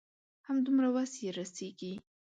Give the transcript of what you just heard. همدومره وس يې رسيږي.